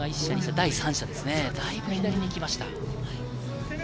第３射、だいぶ左に行きました。